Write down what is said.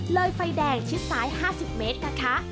เลยไฟแดงชิดซ้าย๕๐เมตรนะคะ